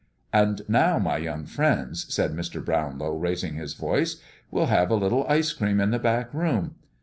"And now, my young friends," said Mr. Brownlow, raising his voice, "we'll have a little ice cream in the back room.